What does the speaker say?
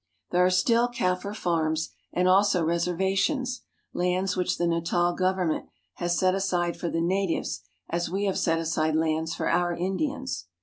There are still Kaffir farms, and also reservations — lands which the Natal government has set aside for the natives as we have set aside lands for our Indians.